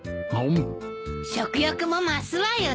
食欲も増すわよね。